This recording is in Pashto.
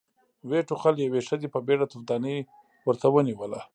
ويې ټوخل، يوې ښځې په بيړه توفدانۍ ورته ونېوله.